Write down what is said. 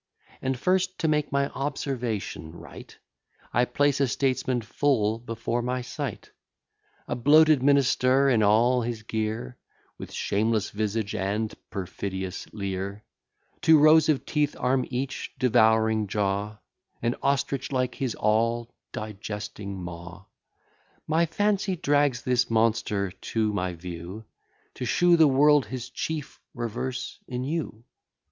And first: to make my observation right, I place a statesman full before my sight, A bloated minister in all his gear, With shameless visage and perfidious leer: Two rows of teeth arm each devouring jaw, And ostrich like his all digesting maw. My fancy drags this monster to my view, To shew the world his chief reverse in you.